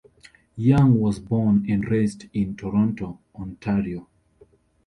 Young was born and raised in Toronto, Ontario.